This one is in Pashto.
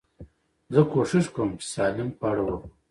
زه کوشش کوم، چي سالم خواړه وخورم.